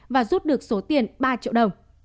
và rút được số tiền ba triệu đồng